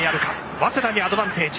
早稲田、アドバンテージ。